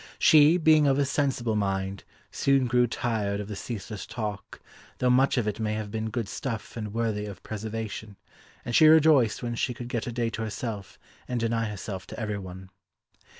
She, being of a sensible mind, soon grew tired of the ceaseless talk, though much of it may have been good stuff and worthy of preservation, and she rejoiced when she could get a day to herself, and deny herself to everyone.